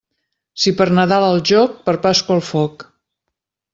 Si per Nadal al joc, per Pasqua al foc.